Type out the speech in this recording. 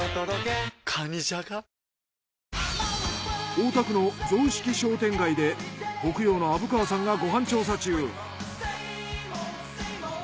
大田区の雑色商店街で北陽の虻川さんがご飯調査中。